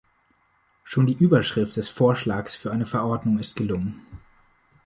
Schon die Überschrift des Vorschlags für eine Verordnung ist gelungen.